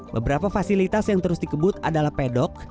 beberapa fasilitas yang terus dikebut adalah pedok